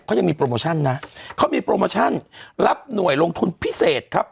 เขายังมีโปรโมชั่นนะเขามีโปรโมชั่นรับหน่วยลงทุนพิเศษครับ